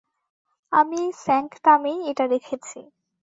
আমি এই স্যাঙ্কটামেই এটা রেখেছি।